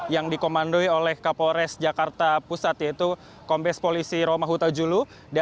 yang dikomandoi oleh kapolres jakarta pusat yaitu kombes polisi roma huta julu